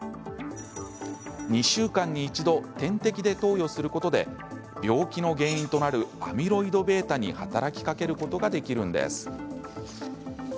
２週間に一度点滴で投与することで病気の原因となるアミロイドβに働きかけることができるんです。